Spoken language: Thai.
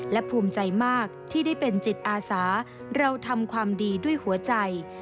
และภูมิใจมากที่ได้เป็นจิตอาสาเราทำความดีด้วยหัวใจ